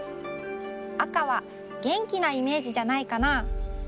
赤はげんきなイメージじゃないかな？